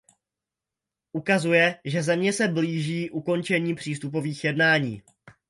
Ukazuje, že země se blíží ukončení přístupových jednání.